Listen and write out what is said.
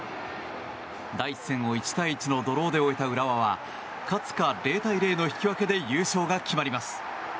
第１戦を１対１のドローで終えた浦和は勝つか、０対０の引き分けで優勝が決まります。